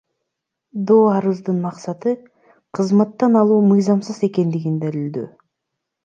Доо арыздын максаты — кызматтан алуу мыйзамсыз экенин далилдөө.